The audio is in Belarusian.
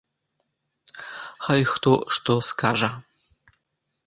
Хай хто што скажа.